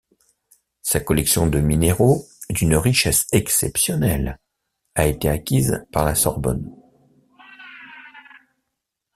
Sa collection de minéraux, d'une richesse exceptionnelle, a été acquise par la Sorbonne.